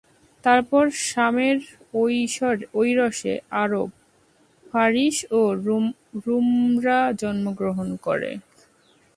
তারপর সামের ঔরসে আরব, ফারিস ও রূমরা জন্মগ্রহণ করে।